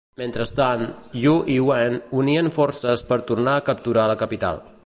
Mentrestant, Yu i Wen unien forces per tornar a capturar la capital.